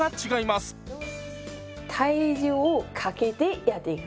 体重をかけてやっていく。